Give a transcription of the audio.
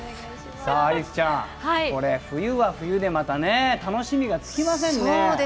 アリスちゃん、冬は冬でまたね、楽しみがつきませんね。